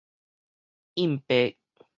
蔭白